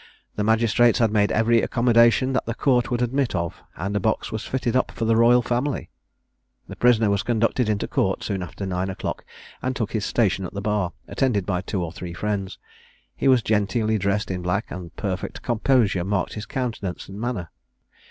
The magistrates had made every accommodation that the Court would admit of: and a box was fitted up for the royal family. The prisoner was conducted into court soon after nine o'clock, and took his station at the bar, attended by two or three friends. He was genteelly dressed in black, and perfect composure marked his countenance and manner.